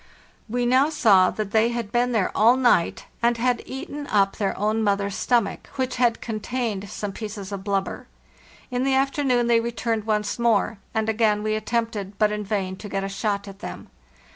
We now saw that they had been there all LAND AT LAST 425 night, and had eaten up their own mother's stomach, which had contained some pieces of blubber. In the afternoon they returned once more; and again we attempted, but in vain, to get a shot at them.